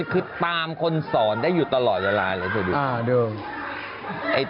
คือตามคนสอนได้อยู่ตลอดอย่างนั้นดู